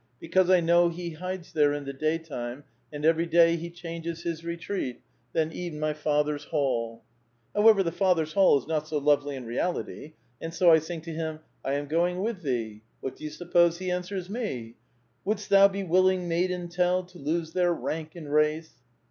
Becaase I know he hides there in the daytime, and every day he ciianges his retreat, — Than e'en my father's halL However, the father's hall is not so lovely in reality. And so I sing to him, ' I am going with thee.' What do yoa suppose he answers me ?" Woulds't thou be willing, maiden, tell. To lose their rank and race?